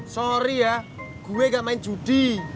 sorry ya gue gak main judi